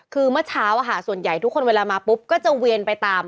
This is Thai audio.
คือเมื่อเช้าส่วนใหญ่ทุกคนเวลามาปุ๊บก็จะเวียนไปตาม